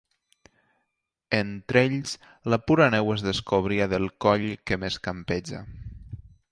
Entre ells la pura neu es descobria del coll que més campeja.